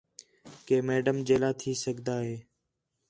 کہ میڈم جیلا تھی سڳدا ہے